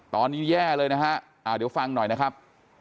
ตอนนี้แย่เลยนะฮะเดี๋ยวฟังหน่อยนะครับ